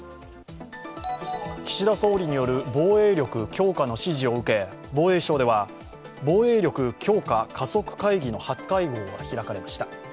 岸田総理による防衛力強化の指示を受け防衛省では防衛力強化加速会議の初会合が開かれました。